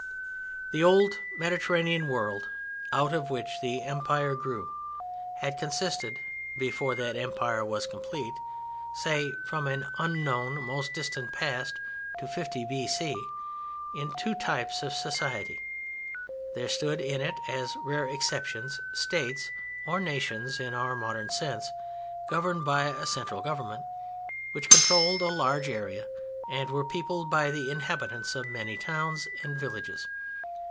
The old Mediterranean world out of which the Empire grew had consisted (before that Empire was complete—say, from an unknown most distant past to 50 B.C.) in two types of society: there stood in it as rare exceptions States, or nations in our modern sense, governed by a central Government, which controlled a large area, and were peopled by the inhabitants of many towns and villages.